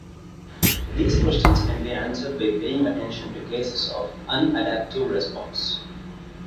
These questions can be answered by paying attention to cases of unadaptive response.